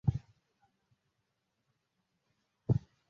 Abantu babiri bamanuka kumurongo wintambwe